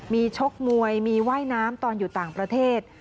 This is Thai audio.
มีชกมวยมีว่ายน้ำตอนอยู่ต่างประเทศ